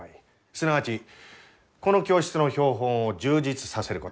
すなわちこの教室の標本を充実させること。